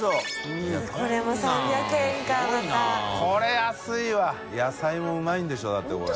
海谿造い野菜もうまいんでしょだってこれ。